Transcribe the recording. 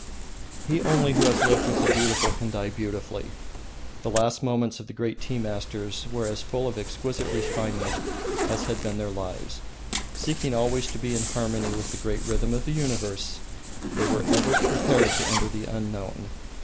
He only who has lived with the beautiful can die beautifully. The last moments of the great tea masters were as full of exquisite refinement as had been their lives. Seeking always to be in harmony with the great rhythm of the universe, they were ever prepared to enter the unknown.